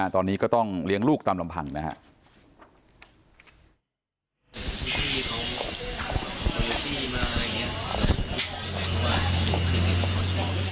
ตอนนี้ก็ต้องเลี้ยงลูกตามลำพังนะครับ